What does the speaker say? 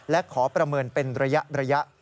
และขอประเมินเป็นระยะ